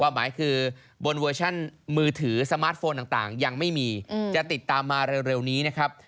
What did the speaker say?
หมายคือบนเวอร์ชั่นมือถือสมาร์ทโฟนต่างยังไม่มีจะติดตามมาเร็วนี้นะครับ